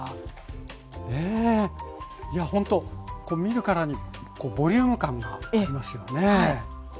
ねぇいやほんと見るからにボリューム感がありますよね。